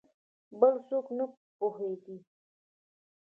بل څوک نه په پوهېدی !